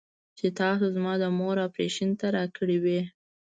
چې تاسو زما د مور اپرېشن ته راکړې وې.